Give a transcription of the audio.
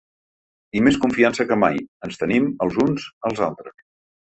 I més confiança que mai, ens tenim els uns als altres.